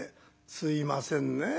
「すいませんねえ。